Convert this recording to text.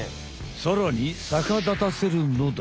さらにさかだたせるのだ！